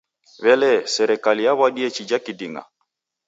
W'elee, serikaliyaw'adie chija kiding'a?